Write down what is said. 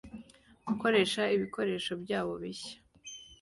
gukoresha ibikoresho byabo bishya